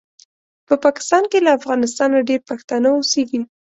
په پاکستان کې له افغانستانه ډېر پښتانه اوسیږي